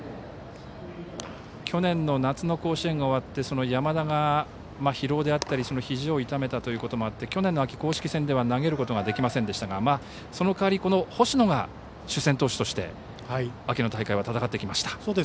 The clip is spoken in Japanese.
去年の夏の甲子園が終わってその山田が疲労であったりひじを痛めたということもあって去年の秋、公式戦では投げることができませんでしたがその代わり星野が主戦投手として秋の大会は戦ってきました。